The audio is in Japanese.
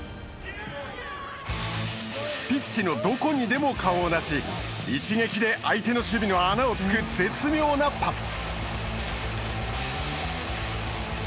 ピッチのどこにでも顔を出し一撃で相手の守備の穴をつく絶妙なパス。